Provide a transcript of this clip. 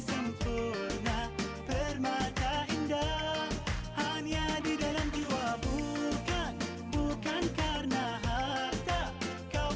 sempurna permata indah hanya di dalam jiwa bukan bukan karena harta kau